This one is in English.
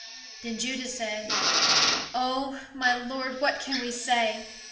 Then Judah said, "O, my lord, what can we say?